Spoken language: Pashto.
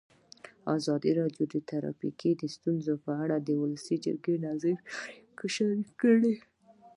ازادي راډیو د ټرافیکي ستونزې په اړه د ولسي جرګې نظرونه شریک کړي.